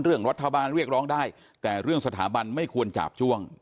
เรื่องรัฐบาลเรียกร้องได้แต่เรื่องสถาบันไม่ควรจาบจ้วง